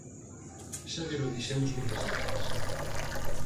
Xa llelo dixemos moitas veces.